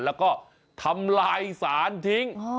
แล้วก็ทำลายสารทิ้ง